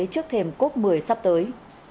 trước thềm cốt một mươi sắp tới